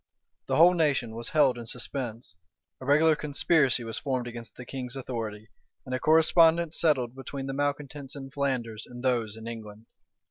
The whole nation was held in suspense; a regular conspiracy was formed against the king's authority, and a correspondence settled between the malecontents in Flanders and those in England.